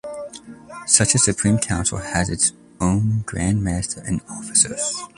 Such a Supreme Council has its own Grand Master and officers.